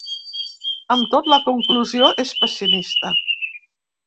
Amb tot, la conclusió és pessimista.